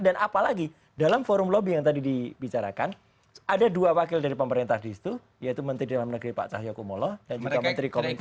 dan apalagi dalam forum lobby yang tadi dibicarakan ada dua wakil dari pemerintah di situ yaitu menteri dalam negeri pak cahyokumullah dan juga menteri komunikasi